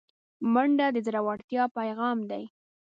منډه د زړورتیا پیغام دی